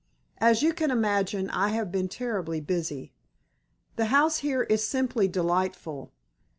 As you can imagine I have been terribly busy. The house here is simply delightful.